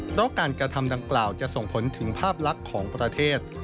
เพราะการกระทำดังกล่าวจะส่งผลถึงภาพลักษณ์ของประเทศ